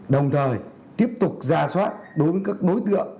đồng thời tiếp tục ra soát đối với các đối tượng